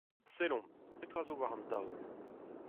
Sellomp, petra zo war an daol ?